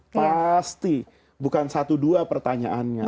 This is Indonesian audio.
pasti bukan satu dua pertanyaannya